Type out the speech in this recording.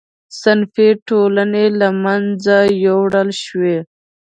صنفي ټولنې له منځه یووړل شوې.